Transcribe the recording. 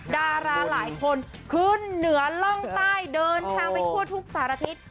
ดาราหลายคนขึ้นเหนือล่องใต้เดินทางไปทั่วทุกสารทิศ